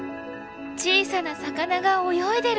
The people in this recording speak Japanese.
小さな魚が泳いでる！